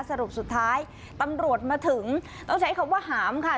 สรุปสุดท้ายตำรวจมาถึงต้องใช้คำว่าหามค่ะ